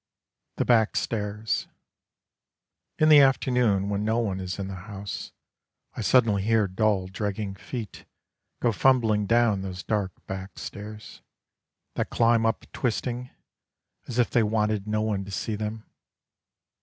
THE BACK STAIRS In the afternoon When no one is in the house, I suddenly hear dull dragging feet Go fumbling down those dark back stairs, That climb up twisting, As if they wanted no one to see them.